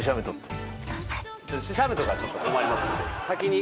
写メとかはちょっと困りますので。